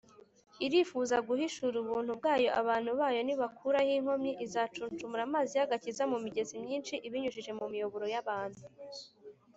irifuza guhishura ubuntu bwayo abantu bayo nibakuraho inkomyi, izacuncumura amazi y’agakiza mu migezi myinshi ibinyujije mu miyoboro y’abantu